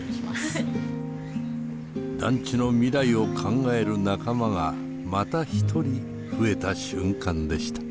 団地の未来を考える仲間がまた一人増えた瞬間でした。